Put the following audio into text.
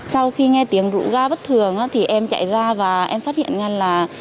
sau khi nghe tiếng rũ ga bất thường thì em chạy ra và em phát hiện ngăn là